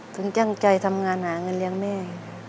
ตั้งใจทำงานหาเงินเลี้ยงแม่